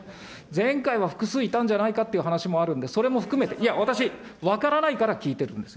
前回は複数いたんじゃないかという話もあるんで、それも含めて、いや、私、分からないから聞いてるんです。